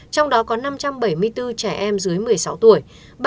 trong đó có năm trăm bảy mươi bốn trẻ em dưới một mươi sáu tuổi